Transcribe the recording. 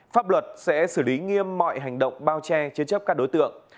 pháp luật sẽ xử lý nghiêm mọi hành động bao che chế chấp các đối tượng